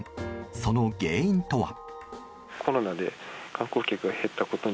その原因とは。